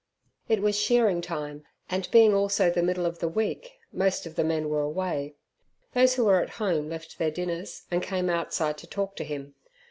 It was shearing time, and, being also the middle of the week, most of the men were away. Those who were at home left their dinners, and came outside to talk to him.